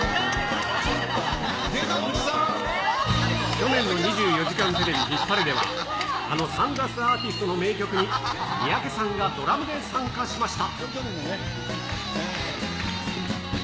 去年の２４時間テレビ・ヒッパレでは、あのサングラスアーティストの名曲に、三宅さんがドラムで参加しました。